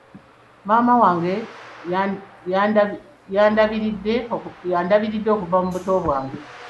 Maama wange y'andabiridde okuva mu buto bwange.